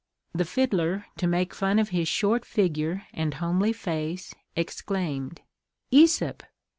The fiddler, to make fun of his short figure and homely face, exclaimed, "Æsop!"